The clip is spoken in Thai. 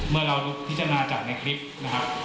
เมื่อเรารู้ที่จะมาจากในคลิปนะครับ